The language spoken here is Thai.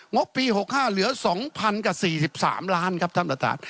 บปี๖๕เหลือ๒๐๐กับ๔๓ล้านครับท่านประธาน